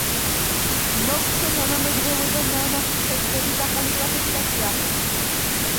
მოგვცა თანამედროვე და ნამარხი თევზების ახალი კლასიფიკაცია.